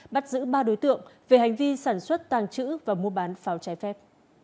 bắt giữ ba đối tượng về hành vi sản xuất tàng trữ và mua bán pháo trái phép